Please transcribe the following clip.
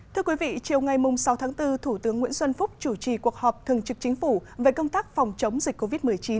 thưa quý vị chiều ngày sáu tháng bốn thủ tướng nguyễn xuân phúc chủ trì cuộc họp thường trực chính phủ về công tác phòng chống dịch covid một mươi chín